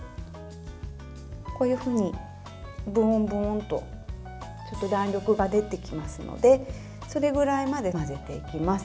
こういうふうにボンボンと弾力が出てきますのでそれぐらいまで混ぜていきます。